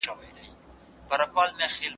علمي پوهه بايد منطقي او معقوله وي.